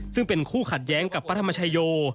ซึ่งเป็นคู่ขัดแย้งกับพระธรรมชโย